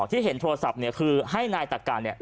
ที่เห็นโทรศัพท์เนี่ยคือให้นายตักการเนี่ย